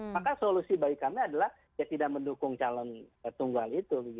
maka solusi bagi kami adalah ya tidak mendukung calon tunggal itu